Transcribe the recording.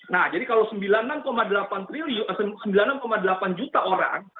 nah jadi kalau sembilan puluh enam delapan juta orang